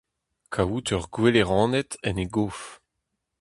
Kaout ur gwele raned en e gof.